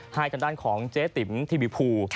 หายกันด้านของเจ๊ติ๋มที่บิภู